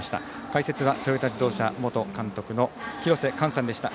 解説はトヨタ自動車元監督の廣瀬寛さんでした。